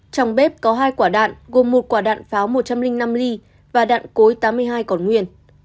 trong bếp có hai quả đạn gồm một quả đạn pháo một trăm linh năm ly và đạn cối tám mươi hai còn nguyên